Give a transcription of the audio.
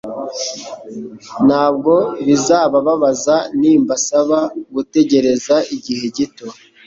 Ntabwo bizabababaza nimbasaba gutegereza igihe gito.